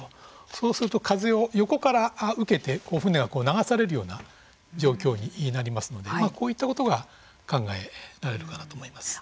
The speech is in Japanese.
そうすると風を横から受けて船は流されるような状況になりますのでこういったことが考えられるかなと思います。